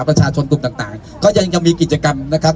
ประชาชนกลุ่มต่างต่างก็ยังยังมีกิจกรรมนะครับ